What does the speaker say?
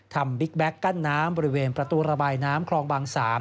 บิ๊กแก๊กกั้นน้ำบริเวณประตูระบายน้ำคลองบาง๓